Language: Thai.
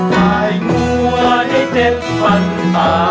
ขายงั่วให้เจ็บฟันตาย